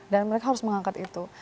dan mereka harus mengangkat itu